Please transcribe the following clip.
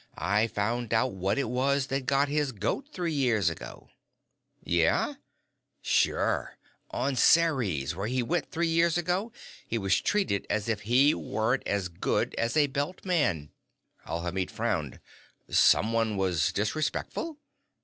I found out what it was that got his goat three years ago." "Yeah?" "Sure. On Ceres, where he went three years ago, he was treated as if he weren't as good as a Belt man." Alhamid frowned. "Someone was disrespectful?"